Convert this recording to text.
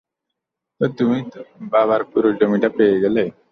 তো তুমি বাবার পুরো জমিটা পেয়ে গেলে।